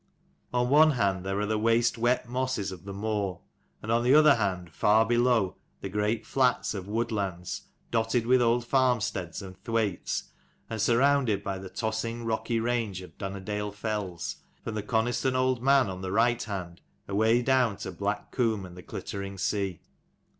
On one hand there are the waste wet mossss of the moor, and on the other hand, far below, the great flats of Woodlands, dotted with old farmsteads and thwaites, and surrounded by the tossing rocky range of Dunnerdale fells, from the Coniston Old Man on the right hand away down to Black Comb and the glittering sea.